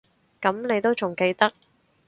噉你都仲記得